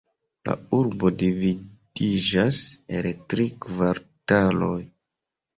La urbo dividiĝas el tri kvartaloj.